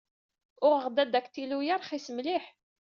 Uɣeɣ-d adaktilu-ya ṛxis mliḥ.